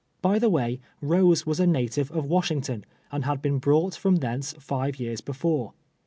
By the way. Rose was a native of Washington, and had been brought from thence live years before.